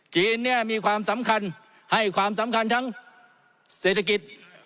จีนเนี่ยมีความสำคัญให้ความสำคัญทั้งเศรษฐกิจ